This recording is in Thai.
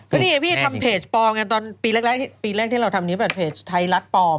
ก็นี่พี่ทำเพจปลอมกันตอนปีแรกปีแรกที่เราทำนี้แบบเพจไทยรัฐปลอม